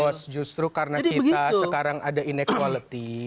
boss justru karena kita sekarang ada inequality